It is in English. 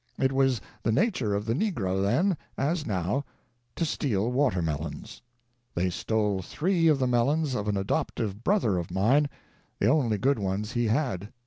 It was the nature of the negro then, as now, to steal watermelons. They stole three of the melons of an adoptive brother of mine, the only good ones he had.